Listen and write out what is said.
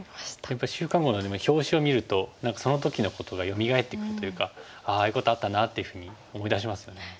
やっぱり「週刊碁」の表紙を見るとその時のことがよみがえってくるというかああいうことあったなっていうふうに思い出しますよね。